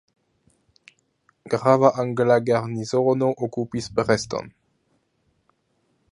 Grava angla garnizono okupis Brest-on.